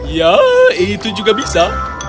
ya itu juga bisa